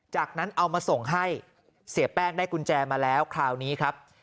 จากนั้นเอามาส่งให้เสียแป้งได้กุญแจมาแล้วคราวนี้ครับ